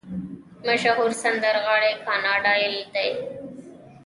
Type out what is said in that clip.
مشهور سندرغاړي کاناډایان دي.